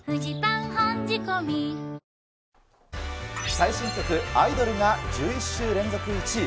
最新曲、アイドルが、１１週連続１位。